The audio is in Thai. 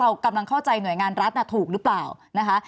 เรากำลังเข้าใจหน่วยงานรัฐถูกหรือเปล่านะคะ